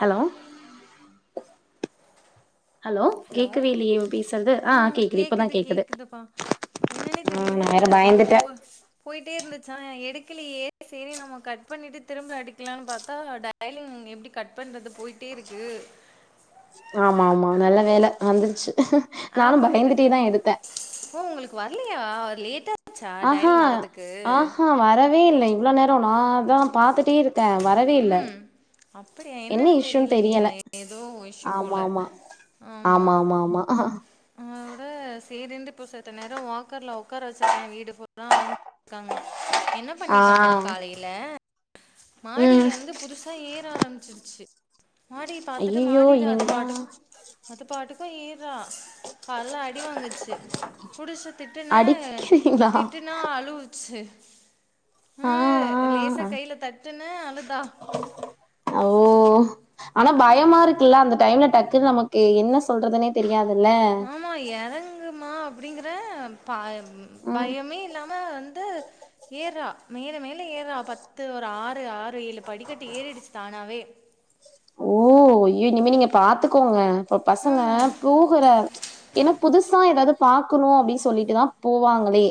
Hello hello கேக்கவே இல்லியே இல் பேசுறது அ ஆ கேக்குது இப்பதா கேக்குது கேக்குதுப்பா என்னன்னே ஆ தெரியல நா வேற ரிங்கு போ பயந்துட்டே போயிட்டு போய்ட்டே இருந்துச்சா எடுக்கலியே சேரி நம்ம கட் பண்ணிட்டு திரும்ப அடிக்கலாம்னு பாத்தா டயலிங் எப்ப கட் பண்றது போயிட்டே இருக்கு ஆமா ஆமா நல்ல வேல வந்துருச்சு நானு பயந்துட்டேதா எடுத்தே வர்லியா லேட்டா ஆஹா ஆஹா வரவே இல்ல இவ்ளோ நேரோ நா தா பாத்துட்டே இருக் க்க வரவே இல்ல அப்பிடியா என்ன என்னன்னு இஷ்யூன்னு தெரியலியே தெரியல ஏதோ இஷ்யு போல ஆமா ஆமா ஆமா அதோட சேரின்டு செத்த நேரோ வாக்கர்ல உட்கார வெச்சிருக்க வீடு பூரா அலஞ்சிட்டு இருக்காங்க என்ன ஆ பண்ணிட்டாங்க காலையில படி ம் வந்து புதுசா ஏற ஆரம்பிச்சிருச்சு மாடிய பாத்துட்டு ஐயையோ மாடியில அது இனிமேதா பாட்டுக்கு அது பாட்டுக்கு ஏ ஏற்றா கால்ல அடி வாங்குச்சு புடிச்சு திட்டுனே அடிக்கிறீங்களா திட்டுனா அழுவுச்சு ஆ ம் லேசா ஆ கையில தட்டுனே அழு ஓ ஆனா பயமா இருக்குல்ல அந்த டைம் ல டக்கு நமக்கு என்ன சொல்றதுன்னே தெரியாது ஆமா எறங்குமா அப்பிடிங்கற ப ம் பயமே இல்லாம வந் து ஏற்றா மேல மேல ஏற்றா பத்து ஒரு ஆறு ஆறு ஏழு படிக்கட்டு ஏறிடுச்சு தானா னாவே ஓ அய்யோ இனிமே நீங்க பாத்துக்கோங்க இப்ப பசங்க ஆமா போகுற என்ன புதுசா எதாவது பாக்கணு அப்டின்னு சொல்லிட்டுதா போவாங்களே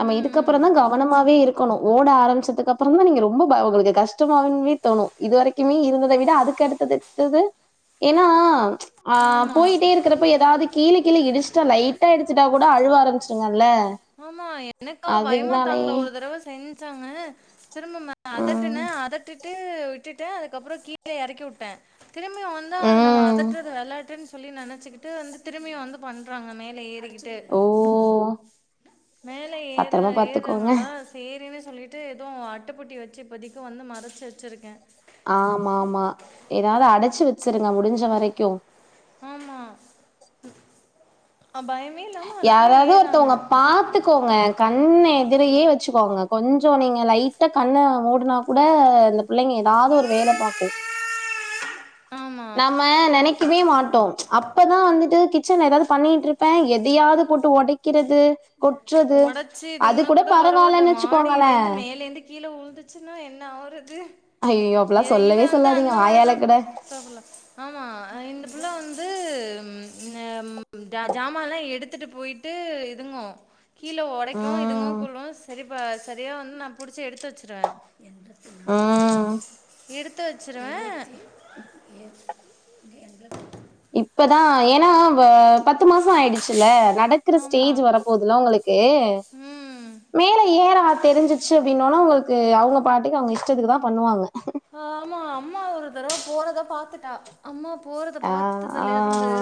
நம்ம ம் ம் இதுக்கப்புற தா கவனமாவே இருக்கணு ஓட ஆரம்பிச்சதுக்கு அப்றோ தா நீங்க ரொம்ப உங்ளுக்கு கஷ்டமாவே தோணு இது வரைக்குமே இருந்தத விட அதுக்கு அடுத்தது த்தது ஏன்னா ஆமா போயிட்டே இருக்கிறப்ப எதாவ்து கீழ கீழ இடிச்சிட்டா லைட்டா இடிச்சிட்டா கூட அழுவ ஆரம்பிச்சிடுங்கள்ள ஆமா எனக்கா பயமா தாங்கல ஒரு தடவ செஞ்சாங்க திரும்பமா ம். அதட்டுன அதட்டிட் விட்டுட்டே அதுக்கப்புற கீழே எறக்கி உட்ட திரும்பி வந்தா அத நம்ம ம். அதட்டுறது விளாட்டுனு சொல்லி நினைச்சிக்கிட்டு வந்து திரும்பி வந்து பண்றாங்க மேல ஏறிக்கிட்டு ஓ! மேல ஏற பத்திரமா பாத்துக்கோங்க. ஏறுறாங்களா சேரின் னு சொல்லிட்டு எதும் அட்டைப்பட்டி வச்சி இப்போதிக்கு வந்து மறைச்சி வச்சிருக்கே ஆமா ஆமா எதாவது அடைச்சி வச்சிருங்க முடிஞ்ச வரைக்கு ஆமா பயமே இல்லாம அழகா யாராவது ஏறாங்க ஒருத்தவங்க பாத்துக்குங்க கண்ணே திரையே வச்சுக்கோங்க கொஞ்ச நீங்க லைட்டா கண்ண மூடுனா கூட இந்த பிள்ளைங்க ஏதாவது ஒரு வேல பாக்கு ஆஆ நம்ம நனைக்கவே மாட் மாட்டோ அப்பதா வந்துட்டு கிச்சன்ல எதாவது பண்ணிட்டு இருப்பே எதையாவது போட்டு உடைக்கிறது கொட்றது ஒடச்சு அது இதுங்கன்னா கூட பரவாயில்லன்னு வச்சிக்கோங்களே கீழே உழுந்துச்சின்னா என்ன ஆவுறது ஐ இவ வந்து அந்த மாரிதா அஸ்தப்ருல்லா ஆமா இந்த பிள்ள வந்து ம் சாமான்லா எடுத்துட்டு போயிட்டு இதுங்கு கீழே உடைக்குவு இதுங்கவு ம் குள்ளு சரிப்பா சரியா வந்து நா புடிச்சி எடுத்து வச்சுடுவே ம் எடுத்து வச்சுடுவே இப்பதா ஏன்னா பத்து மாச ஆயிடுச்சில்ல நடக்குற ஆமா ஸ்டேஜ் வர போதுல்ல உங்களுக்கு ம் மேல ஏற தெரிஞ் ச்சீ அப்படின்னோனா அவங்களுக்கு அவங்க பாட்டுக்கு அவங்க இஷ்டத்துக்கு தா பண்ணுவாங்க ஆமா அம்மா ஒரு தடவ போறதா பாத்துட்டா அம்மா போறதா அ, ஆ, பார்த்ததுல இருந்து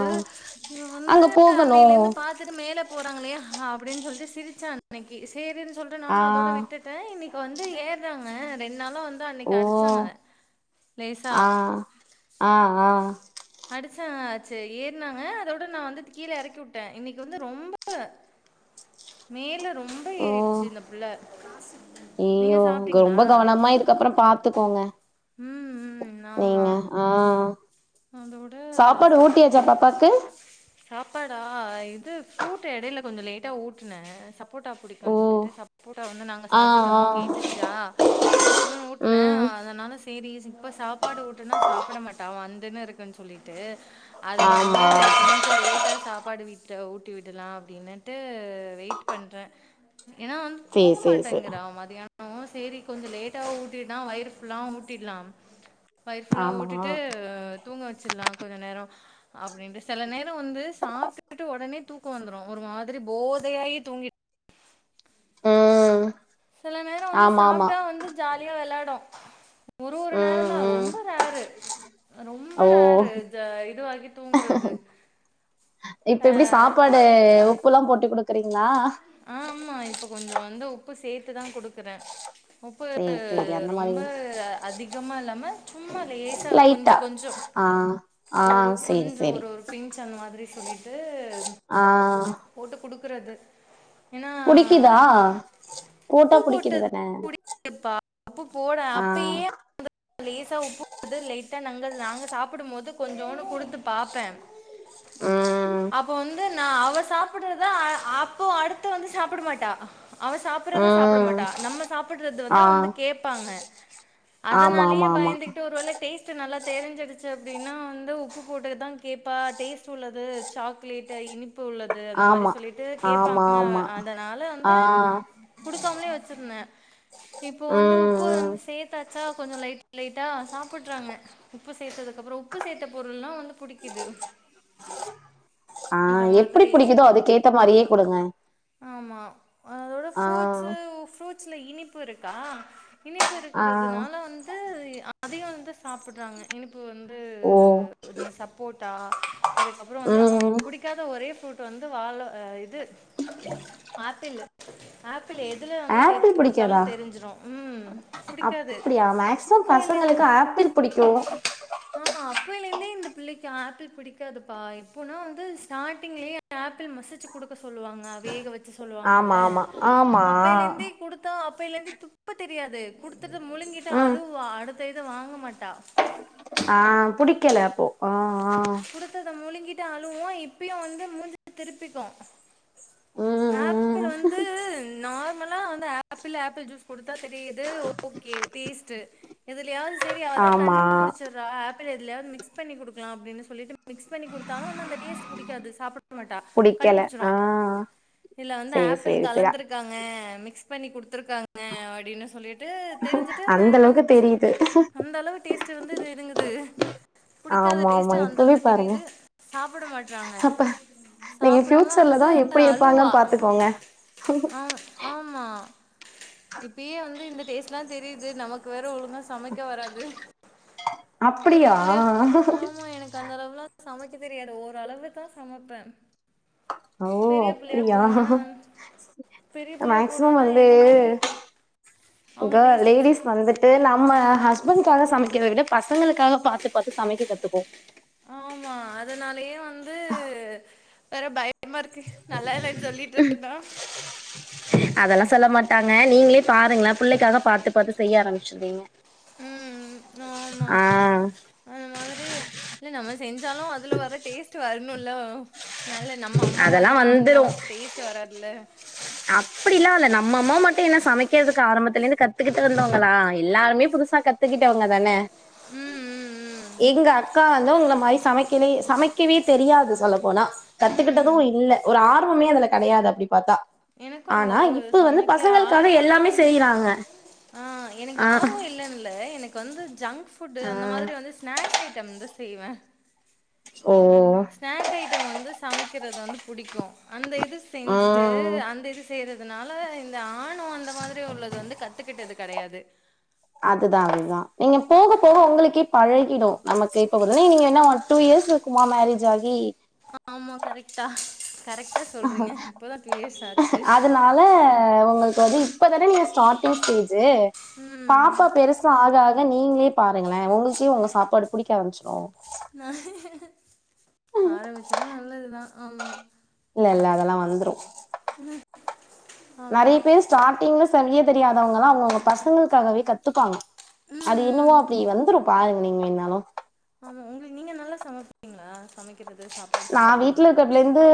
இவ வந்து அங்க அன்னையில போகணும். இருந்து பார்த்துட்டு மேலே போறாங்களே அப்டின்னு சொல்லிட் சிரிச்சா அன்னைக்கு சேரினு சொல்லிட்டு ஆ, நானு அதோட விட்டுட்டே இன்னைக்கு வந்து ஏறாங்க ரெண் நாலு வந்து அன்னைக்கு அடிச் ஓ ஆ ஆ ஆ சாசு செரி ஏற்னாங்க அதோட நா வந்து கீழே எறக்கி உட்டே இன்னைக்கு வந்து ரொம்ப மேல ரொம்ப ஏறிடிச்சி இந்த புள்ள நீங்க ஜய்யய்யோ சாப்பிட்டீங்களா ரொம்ப கவனமா இதுக்கப்பறோ பாத்துக்கோங்க ம் ம் ஆமா நீங்க ஆ அதோட சாப்பாடு ஊட்டியாச்சா பாப்பாக்கு சாப்பாடா இது ஃப்ரூட் எடையில கொஞ்ச லேட்டா ஊட்டுனே சப்போட்டா ஓ! புடிக்கோன்னு சொல்லிட்டு சப்போட்டா வந்து நாங்க ஆ, ஆ, சாப்ட்டுருந்தோ கேட்டுச்சா கொஞ்சோனு ஊட்ன ம். அதனால செரி இப்ப சாப்பாடு ஊட்டனா சாப்புட மாட்டா மந்துன்னு இருக்குன்னு சொல்லிட்டு அதனால ஆமா. கொஞ்ச லேட்டா சாப்பாட் டு விட் ஊட்டி விடலா அப்டின்னுட்டு வெயிட் பண்றே ஏன்னா வந்து சரி, தூங்க சரி, சரி. மாட்டேங்கிற மதியான ம் சேரி கொஞ்ச லேட்டா ஊட்டனா வயறு ஃபுல்லாம் ஊட்டிலாம் வயிறு ஃபுல்லா ஆமா. ஊட்டிட்டு தூங்க வச்சிடலா கொஞ்ச நேர அப்டின்னு சில நேர வந்து சாப்ட்டுட்டு உடனே தூக்க வந்துடு ஒரு மாதிரி போதையாயி தூங்கி [inaudible] ம் சில நேர வந்து ஆமா ஆமா சாப்டா வந்து ஜாலியா வெளாடு ஒரு ஒரு நேர ம் தா ம் ரொம்ப ரேரு ரொம்ப ஓ ரேர்ரு இதுவாகி தூங்குறது இப்ப எப்டி ஆஹ் சாப்பாடு உப்புல்லா போட்டு குடுக்குறீங்களா ஆஹ் ஆமா இப்ப கொஞ்சோ வந்து உப்பு சேத்துதா குடுக்குற உப்பு சேரி சேரி அந்த மாரி ரொம்ப அதிகமா இல்லா சும்மா லேசா கொஞ்ச லைட்டா கொஞ்சோ ஆ ஆ ஒரு சேரி கொஞ்சோ சேரி ஒரு ஒரு பின்ச் அந்த மாதிரி சொல்லிட்டு ஆ போட்டு குடுக்கறது குடிக்கிதா போட்டா குடிக்கிதுதான [inaudible] அப்ப போட அப்பயே அந்த லேசா உப்பு வந்து லைட்டா நங்க நாங்க சாப்புடும் போது கொஞ்சோன்டு குடுத்து பாப்ப ம் அப்ப வந் நா அவ சாப்புட்றத அ அப்போ அடுத்து வந்து சாப்ட மாட்டா அவ சாப்பட்றத சாப்ட ம் மாட்டா நம்ம சாப்புட்றது வந்து ஆ வந்து கேப்பாங்க ஆமா அதனாலயே ஆமா ஆமா பயந்துகிட்டு ஒருவேள டேஸ்ட்டு நல்லா தெரிஞ்சிடிச்சி அப்டின்னா வந்து உப்பு போட்டதுதா கேப்பா டேஸ்ட் உள்ளது சாக்லேட்டு இனிப் ப்பு உள்ளது அந்த மாரி ஆமா சொல்லிட்டு ஆமா கேப்பாங்க ஆமா அதனால ஆ வந்து குடுக்காமலே வச்சிருந்த இப்போ வந்து ம் உப்பு ம் வந்து சேத்தா ச்சா கொஞ்சோ லைட் லைட்டா சாப்புட்றாங்க உப்பு சேத்ததுக்கப்பறோ உப்பு சேத்த பொருள்லா வந்து புடிக்கிது ம் ஆ எப்டி புடிக்கிதோ அதுக்கேத்த மாரியே குடுங்க ஆமா அதோட ஆ ஃப்ரூட்ஸ்ஸு ஃப்ரூட்ஸ்ல இனிப் ப்பு இருக்கா இனிப்பு ஆ இருக்குறதுனால வந்து அதிகோ வந்து சாப்புட்றாங்க இனிப் பு வந்து ஓ இந்த சப்போட்டா அதுக்கப்பறோ வந்து அம் ம் புடிக்காத ஒரே ஃப்ரூட் வந்து வால ஆ இது ஆப்பிளு ஆப் ப்பிளு எதுல வந்து ஆப்பிள் சேத்து குடு தாலு பிடிக்காதா தெரிஞ்சிரு உம் புடிக்காது அப்படியா மேக்சிமம் அப்போய்லேந்து பசங்களுக்கு ஆப்பிள் பிடிக்கு ஆமா அப்பய்லேந்தே இந்த பிள்ளைக்கி ஆப்பிள் பிடிக்காதுப்பா எப்போன்னா வந்து ஸ்டார்ட்டிங்லே ஆப்பிள் மசிச்சி குடுக்க சொல்லுவா க வேக வச் சொல்லுவாங்கல்ல ஆமா ஆமா ஆமா அப்பைலேந்தே குடுத்தா அப்பைலேந்தே துப்ப தெரியாது குடுத் குடுத்தது முழுங்கிட்டு ம் அழுவா அடுத்த இத வாங்க மாட்டா அஹ் புடிக்கல அப்போ ஆ ஆ குடுத்தத முலிங்கிட்டு அழுவு இப்பயு வந்து மூஞ்ச திருப்பிக்கு உம் உம் நம்மல்லா வந்து ஆப்பிள் ஆப்பிள் ஜூஸ் குடுத்தா தெரியிது ஓகே டேஸ்ட்டு இதுலயாது சேரி அவதா ஆமா கண்டுபுடிச்சிட்றா ஆப்பிள் எதுலயாது மிக்ஸ் பண்ணி குடுக்கலா அப்டின்னு சொல்லிட்டு மிக்ஸ் பண்ணி குடுத்தாலு வந்து அந்த டேஸ்ட் புடிக்காது சாப்ட மாட்டா புடிக்கல கண்டுபுடிச்சிரு ஆ இதுல வந்து சேரி ஆப்பிள் சேரி சேரி கலந்துருக்காங்க மிக்ஸ் பண்ணி குடுத் கதுருக்காங்க அப்டின்னு சொல்லிட்டு தெரிஞ்சுட்டு அந்த மேடம் அளவுக்கு வந்து தெரியுது அந்தளவு டேஸ்ட் வந்து இது இதுங்குது புடிக்காத ஆமா ஆமா டேஸ்ட் இப்பவே அந்தளவு பாருங்க தெரியிது சாப்ட மாட்றாங்க அப்ப நீங்க சாப்டாம ஃபியூச்சர்ல தா வந்து எப்டி அழுவா இருப்பாங்கன்னு பாத்துக்கோங்க ஆம் ஆமா இப்பயே வந்து இந்த டேஸ்ட்லா தெரியிது நமக்கு வேற ஒலு கா சமைக்க வராது பெரிய அப்படியா பிள்ளையா ஆமா எனக்கு அந்த அளவுலா சமைக்க தெரியாது ஓரளவுதா சமப்ப ஓ அப்டியா பெரிய புள்ளையா போனோனே எந்த மாதிரி அவங்க க டேஸ்ட்டுக்கு லேடிஸ் வந்துட்டு நம்ம ஹஸ்பண்ட் க்காக சமைக்கறத விட பசங்களுக்காக பாத்து பாத்து சமைக்க கத்துப்போ ஆமா அதனாலயே வந்து வேற பய ம்மா இருக்கு நல்லா இல்லன்னு சொல்லிடானா அதெல்லா சொல்ல மாட்டாங்க நீங்களே பாருங்கள புள்ளைக்காக பாத்து பாத்து செய்ய ஆரம்பிச்சிருவீங்க உம் ஆமா ஆ அது மாதிரி இல்ல நம்ம செஞ்சாலும் அதுல வர டேஸ்ட் வரணும்ல்ல நல்ல நம்ம அம்மா அதெல்லா மாரிலாம் வந்து வந்துரு நமக்கு டேஸ்ட் வராதுல்ல அப்படிலா இல்ல நம்ம அம்மா மட்டும் என்ன சமைக்கிறதுக்கு ஆரம்பத்துலேந்து கத்துக்கிட்டு வந்தவங்களா எல்லாருமே பு புதுசா கத்துக்கிட்டவங்க தானே உம் உம் உம் எங்க அக்கா வந்து உங்கள மாரி சமைக்கலே சமைக்கவே தெரியாது சொல்ல போனா ம். ம். கத்துக்கிட்டதும் இல்ல ஒரு ஆர்வமே அதுல கடையாது அப்டி பாத்தா எனக்கும் அந்த ஆனா அளவு இப்ப வந்து சமைக்க பசங்களுக்காக ஆர்வம்னா எல்லாமே வந்து செய்றாங்க ஆ எனக்கு ஆர்வம் இல்லன்னுல எனக் வந்து ஜங்க் ஃபுடு அந்த ஆ மாரி வந்து ஸ்னாக்ஸ் ஐட்டம் வந்து செய்வ ஓ ஸ்நாக் ஐட்டம் வந்து சமைக்கிறது வந்து புடிக்கும் அந்த இது செஞ்சுட்டு ம் அந்த இது செய்றதுனால இந்த ஆணும் அந்த மாதிரி உள்ளது வந்து கத்துக்கிட்டது கிடையாது அதுதான் அதுதான் நீங்க போக போக உங்களுக்கே பழகிடும் நமக்கு இப்ப வந்து நீங்க என்ன ஒ டூ இயர்ஸ் இருக்குமா மேரேஜ் ஆகி ஆமா கரெக்டா கரெக்டா சொல்றீங்க இப்பதா டு இயர்ஸ் ஆச்சு பது இப்பதானே நீங்க ஸ்டாரிங் ஸ்டேஜு ம் பாப்பா பெருசும் ஆக ஆ நீங்களே பாருங்களேன் உங்களுகே உங்க சாப்பாடு புடிக்க ஆரம்பிச்சிரு நா ஆரம்பிச்சா நல்லதுதான் ஆமா இல்ல இல்ல அதெல்லா வந்துரும் ஆமா நறைய பேர் ஸ்டார்டிங்ல சமைக்க தெரியாதவங்கலா அவங்கவுங்க பசங்களுக்காகவே கத்துப்பாங்க ம் அது என்னவோ ம் அப்படி வந்துரும் பாருங்க நீங்க வென்னாலும் ஆமா உங்களுக்கு நீங்க நல்லா சமைப்பீங்களா சமைக் நா வீட்டு்லருக்கப்லந்து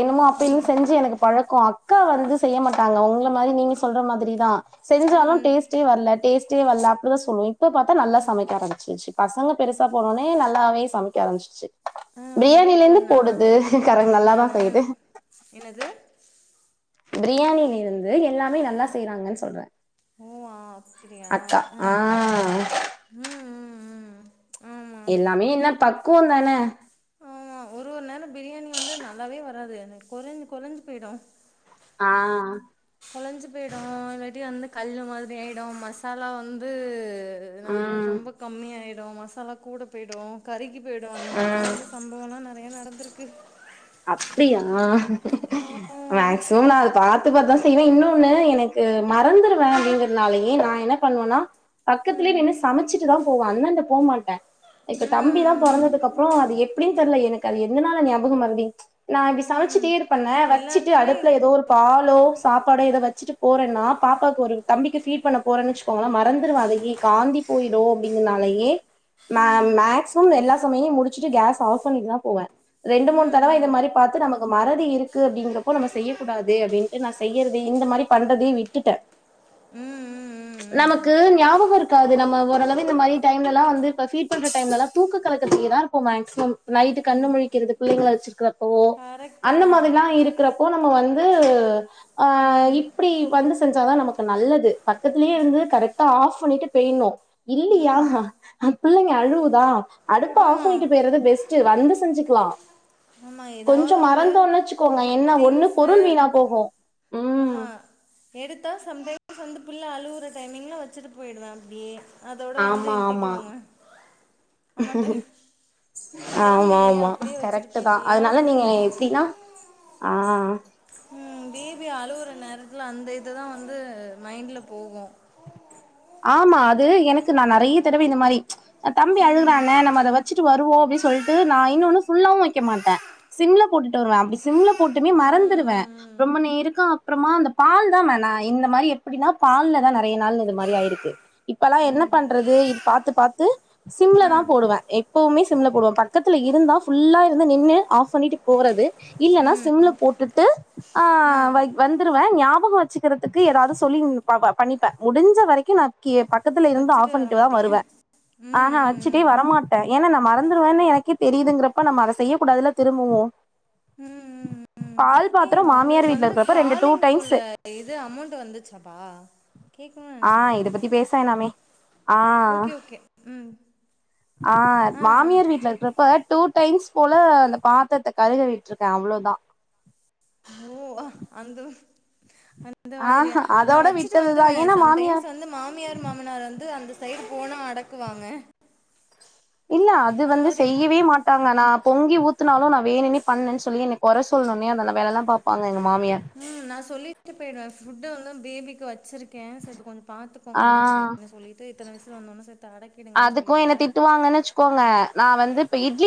என்னமோ அப்பிலந்து செஞ்சு எனக்கு பழக்கோ அக்கா வந்து செய்ய மாட்டாங்க உங்கள மாரி நீங்க சொல்ற மாதிரி தான் செஞ்சாலும் ம் டேஸ்ட்டே வரல டேஸ்ட் டே வரல அப்படிதான் சொல்லு இப்ப பாத்தா நல்லா சமைக்க ஆரம்பிச்சிருச்சு பசங்க பெருசா போனோனே நல்லாவே சமைக்க ஆரம்பிச்சிருச்சு பிரியானிலந்து ந நானு எனது பிரியாணியில இருந்து எல்லாமே நல்லா செய்யறாங்கன்னு சொல்ற ஓ அப்டியா ஆ ம் உம் உம் எல்லாமே என்ன பக்குவம் தானே ஆமா ஒரு ஒரு நேரம் பிரியாணி வந்து நல்லாவே வராது எனக்கு கொறைஞ்சி கொளஞ்சி போயிடும் ஆ குலைஞ்சி போயிடும் இல்லாட்டி வந்து கல் மாதிரி ஆகிடு மசாலா வந்து நா ம் ரொம்ப கம்மி ஆயிடும் மசாலா கூட போயிடும் கறிக்கு போயிடு அந்த மாரிலா ம் வந்து சம்பவோலா நறைய நடந்திருக்கு அப்டியா ஆமா. வேக்ஸ் [unintelligible] பாத்து பாத்துதான் செய்வ இன்னொன்னு எனக்கு மறந்துருவ அப்படிங்கிறதுதுனாலயே நான் என்ன பண்ணுவேன்னா பக்கத்துலயே ம் நின்னு சமைச்சிட்டுதான் போவ அந்தாட போ மாட்ட இப்ப தம்பிலாம் ம் பொறந்ததுக்கு அப்ரோ அது எப்படின்னு தெரல எனக்கு அது எதனால ஞாபகமரதி நா இப்டி ம் ம் சமைச்சுட்டே இருபண்ணே வச்சிட்டு எல்லாருக்குமே அடுப்புல இரு ஏதோ ஒரு பாலோ சாப்பாடோ எதோ வச்சுட்டு போறேன்னா பாப்பாக்கு ஒரு தம்பிக்கு ஃபீ்ட் பண்ண போறேன்வச்சுக்கோங்கள மறந்துருதகி காந்தி போயிரும் அப்படிங்கனாலயே மே மேக்சிமம் எல்லா சமயையும் முடிச்சுட்டு கேஸ் ஆப் பண்ணிட்டு தான் போவேன் ரெண்டு மூனு தடவ இத ம் மாரி பாத்து நமக்கு மறதி இருக்கு அப்பங்கறப்போ நம்ம செய்ய கூடாது அப்படின்ட்டு ந செய்யறது இந்த மாரி பண்றது தே விட்டுட்ட உம் உம் உம் நமக்கு ஞாபகம் இருக்காது நம்ம ஓரளவு இந்த மாரி டைம்லல்லா வந்து ப ஃபீட் பண்ற டைம்லல்லா தூக்க கலக்க ட்லயே தான் ருப்போம் மேக்சிமம் நைட்டு கண்ணு ம் முழிக்கிறது புள்ளைங்கள வெச்சிருக்கறப்போ கரெக்ட்டு அந்த தா மாதிரிலா இருக்கறப்போ நம் ம வந்து அ ம் இப்டி வந்து செஞ்சாதா நமக்கு நல்லது பக்கத்துலயே இருந்தது கத் ரெக்ட்டா ஆஃப் பண்ணிட்டு பெய்ணு இல்லியா ம் அ பிள்ளைங்க அழுவுதா அடுப்ப ஆமா ஆப் [unintelligible] பேய்றது பெஸ்ட்டு வந்து செஞ்சுக்கலா ஆமா கொஞ்சோ ஏதாவது ஒரு மறந்தோன் வச்சுக்கோங்க என்ன ஒண்ணு திங்ஸு பொருள் வீணா போகு ஆமா எடுத்தா சம்டைம்ஸ் வந்து பிள்ள அழுவுற டைமிங்ல வச்சிட்டு போயிடுவே அப்படியே அதோட வந்து ஆமா என் ஆமா திட்டுவாங்க அம்மாட்ட தொறந்தியே ஆமாம்மா அப்டியே வச்சுட்டு கரக்ட்டு தா போயிட்டியே அதனால நமக்கு நீங்க வந்து எப்டின்னா ஆ ம் பேபி அழுவுற நேர த்ல அந்த இதுதா வந்து மைண்ட்ல போகு ஆமா அது எனக்கு நா நெறைய தடவ இந்த மாரி தம்பி அழுகுறான நம்ம அத வச்சிட்டு வருவோ அப்டி சொல்ட்டு நா இன்னொன்னு ஃபுல்லாவு வைக்க மாட்ட சிம்ல போட்டுட்டு வருவ அப்டி சிம்லப் போட்டுமே ம் மறந்துருவ ம் ரொம்ப நேரக்கா அப்றமா அந்த பால் தா மேனா இந்த மாரி எப்டின்னா பால்லதா நெறய நாள் இது மாரி ஆயிர் க்கு இப்பல்லா என்ன ம் ம் பண்றது இது பாத்து பாத்து சிம்ல ஆ தா போடுவ எப்போமே சிம்ல போடுவ பக்கத்துல இருந்தா ஃபுல்லா இருந்து நின்னு ஆஃப் பண்ணிட்டு போறது இல்லன்னா சிம்ல போட்டுட்டு ஆ வை வந்துருவ ஞாபகோ வச்சுக்கிறதுக்கு எதாது சொல்லி ப பண்ணிப்ப முடிஞ்ச வரைக் கி நா கி பக்கத்துல இருந்து வச்சுட்டு வர ஆஃப்ண்ணிட்டு தா மாட்டீங்க வருவ ம் ஆஹா ம் வச்சுட்டே ம் வரமாட்ட ஏனா நா மறந் துருவேன் எனக்கே தெரியுதுங்கறப்ப நம்ம அத செய்யக் கூடாதுல்ல திரும்பவு பால் பாத் ஒங்களுக்கு வந்து காலிங்க்குள்ள இது அமௌண்டு வந்துச்சாப்பா கேக்கணுன் ஆ நெனச்ச இத மறந்துட்ட பத்தி பேச வேணாமே. ஆ ஓகே ஓகே ம் ஆ மாமியார் வீட்ல இருக்குறப்ப டூ டைம்ஸ் போல அந்த பாத்ரத்த கருக விட்ருக்க அவ்ளோதா ஓ அந்த மா அந்த மாதிரியா ஆஹா நா அதோட வச்சுட்டு வந்துருவ விட்டதுதான். ஏன்னா மாமியார் சம்டைம்ஸ் வந்து மாமியார் மாமனார் வந்து அந்தஸ் சைட் போனா அடக்குவாங்க இல்ல அது அந்த வந்து மாதிரி செய்யவே மாட்டாங்க நா பொங்கி ஊத்துனாலு நா வேனுன்னே பண்ணேன் சொல்லி என்ன கொற சொல்னுன்னே அந்தந்த வேலல்லா பாப்பாங்க எங்கம் ம் நா சொல்லிட்டு பேய்ருவ ஃபுட்டு வந்து பேபிக்கு வச்சிருக் கே செத்த கொஞ்சோ ஆ பாத்துக்கோங்க அப்டின்னு சொல்லிட்டு இத்தன விசிலு வந்தோன செத்த அடக்கிடுங்கன் சொல்லிடுவ னச்சிக்கோங்க நா வந்து இப்ப இட்லி